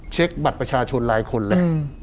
เช็คบัตรประชาชนรายคนเลย